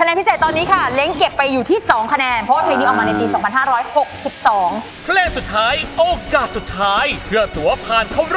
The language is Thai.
คะแนนพิเศษตอนนี้ค่ะเล้งเก็บไปอยู่ที่๒คะแนน